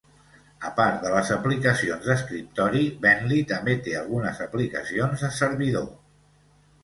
A part de les aplicacions d'escriptori, Bentley també té algunes aplicacions de servidor.